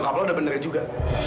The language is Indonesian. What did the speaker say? nyokap lo udah bener juga